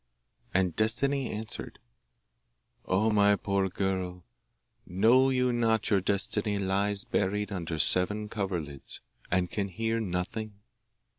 And Destiny answered, 'Oh, my poor girl, know you not your Destiny lies buried under seven coverlids, and can hear nothing?